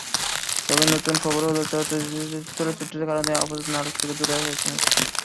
তবে নতুন খবর হলো, চলচ্চিত্রের কারণেই আপাতত নাটক থেকে দূরে আছেন সজল।